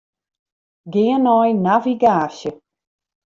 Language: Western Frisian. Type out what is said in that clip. Gean nei navigaasje.